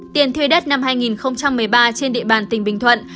tiền thuê đất năm hai nghìn một mươi ba trên địa bàn tỉnh bình thuận